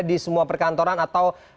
di semua perkantoran atau